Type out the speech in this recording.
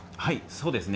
そうですね。